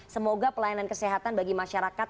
semoga pelayanan kesehatan bagi masyarakat